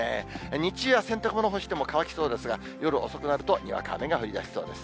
日中は洗濯物干しても乾きそうですが、夜遅くなると、にわか雨が降りだしそうです。